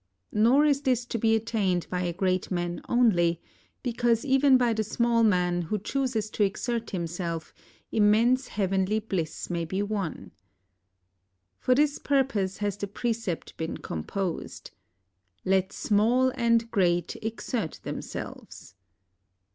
Nor is this to be at tained by a great man only, because even by the small man who chooses to exert himself immense heavenly bliss may be won. For this purpose has the precept been composed :—" Let small and great exert themselves."